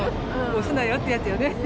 押すなよってやつよね。